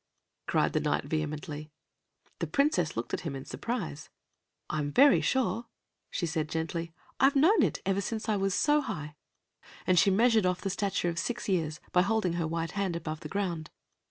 cried the Knight vehemently. The Princess looked at him in surprise. "I'm very sure," she said gently. "I've known it ever since I was so high," and she measured off the stature of six years by holding her white hand above the ground.